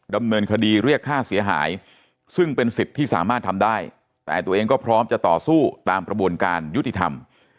ดำเนินคดีเรียกค่าเสียหายซึ่งเป็นสิทธิ์ที่สามารถทำได้แต่ตัวเองก็พร้อมจะต่อสู้ตามกระบวนการยุติธรรม